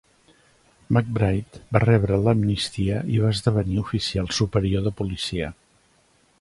McBride va rebre l'amnistia i va esdevenir oficial superior de policia.